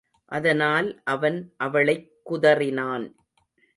அதனால் அவன் அவளைக் குதறினான்.